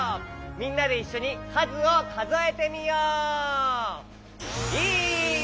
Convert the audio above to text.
みんなでいっしょにかずをかぞえてみよう！